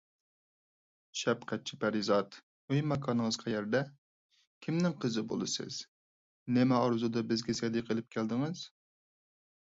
شەپقەتچى پەرىزات، ئۆي - ماكانىڭىز قەيەردە؟ كىمنىڭ قىزى بولىسىز؟ نېمە ئارزۇدا بىزگە سەدىقە ئېلىپ كەلدىڭىز؟